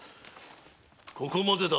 ・そこまでだ！